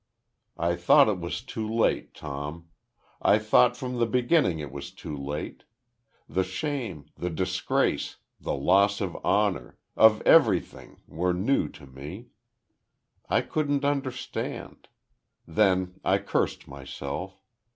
... I thought it was too late, Tom. I thought from the beginning it was too late. The shame, the disgrace, the loss of honor of everything, were new to me. I couldn't understand. Then I cursed myself.